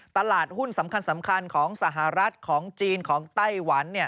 ตลาดหุ้นสำคัญของสหรัฐของจีนของไต้หวัน